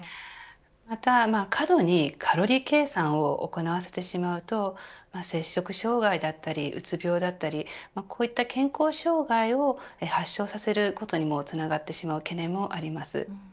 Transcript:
また、過度にカロリー計算を行わせてしまうと摂食障害だったりうつ病だったりこういった健康障害を発症させることにもつながってしまう懸念もあります